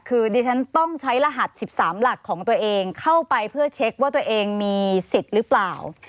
คือดิฉันต้องใช้รหัส๑๓หลักของตัวเองเข้าไปเพื่อเช็คว่าตัวเองมีสิทธิ์หรือเปล่า